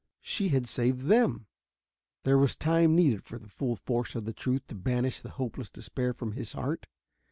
She had saved them! There was time needed for the full force of the truth to banish the hopeless despair from his heart.